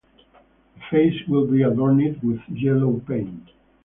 The face will be adorned with yellow paint.